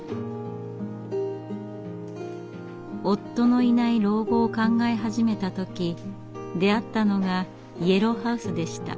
夫のいない老後を考え始めた時出会ったのがイエローハウスでした。